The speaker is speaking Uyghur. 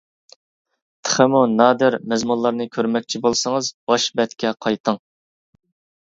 تېخىمۇ نادىر مەزمۇنلارنى كۆرمەكچى بولسىڭىز باش بەتكە قايتىڭ.